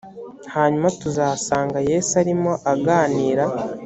hanyuma tuzasanga yesu arimo aganira